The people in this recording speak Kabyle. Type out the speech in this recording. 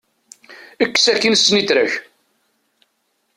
Ekkes akin snitra-k.